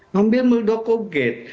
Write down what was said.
membeli muldoko gain